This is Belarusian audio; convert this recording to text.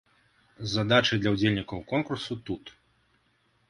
Задачы для ўдзельнікаў конкурсу тут.